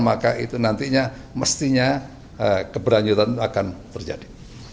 maka itu nantinya mestinya keberanjutan akan terjadi